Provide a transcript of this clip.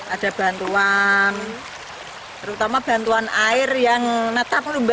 ada bantuan terutama bantuan air yang netap